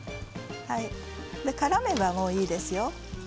からめば、もういいですよ。